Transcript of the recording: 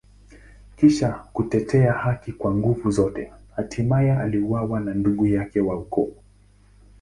Kisha kutetea haki kwa nguvu zote, hatimaye aliuawa na ndugu yake wa ukoo.